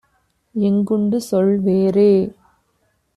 எங்குண்டு சொல் வேறே?